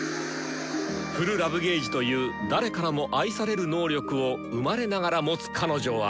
好感度という誰からも愛される能力を生まれながら持つ彼女は。